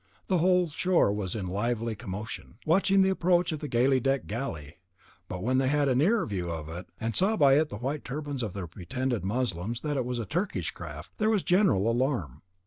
The whole shore was in lively commotion, watching the approach of the gaily decked galley; but when they had a nearer view of it, and saw by the white turbans of the pretended mussulmans that it was a Turkish craft, there was a general alarm.